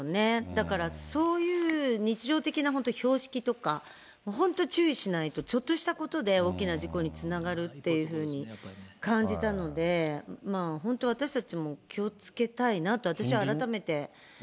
だから、そういう日常的な、本当に標識とか、本当、注意しないとちょっとしたことで大きな事故につながるっていうふうに感じたので、本当、私たちも気をつけたいなと、私は改めて思いました。